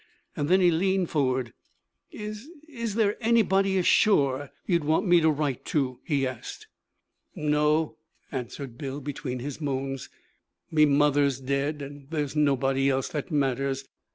Then he leaned forward. 'Is is there anybody ashore you'd want me to write to?' he asked. 'No,' answered Bill between his moans. 'Me mother's dead, an' there's nobody else that matters.